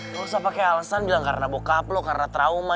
lo gak usah pake alesan bilang karena bokap lo karena trauma